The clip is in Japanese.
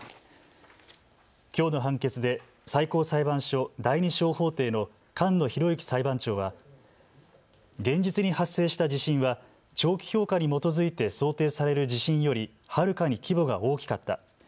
きょうの判決で最高裁判所第２小法廷の菅野博之裁判長は現実に発生した地震は長期評価に基づいて想定される地震よりはるかに規模が大きかった。